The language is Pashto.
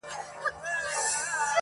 د چا غمو ته به ځواب نه وايو~